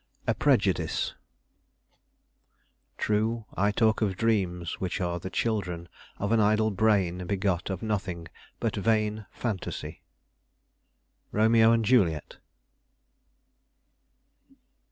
A PREJUDICE "True, I talk of dreams, Which are the children of an idle brain Begot of nothing but vain phantasy." Romeo and Juliet.